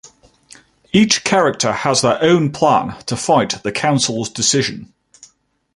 Each character has their own plan to fight the council's decision.